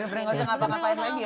udah berengosong apa apaan lagi ya